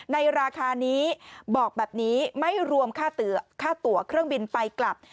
ในราคานี้บอกแบบนี้ไม่รวมค่าตัวเครื่องบินไปกลับ